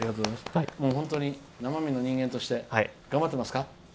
本当に生身の人間として頑張ってますか？